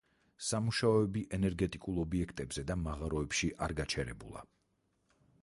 სამუშაოები ენერგეტიკულ ობიექტებზე და მაღაროებში არ გაჩერებულა.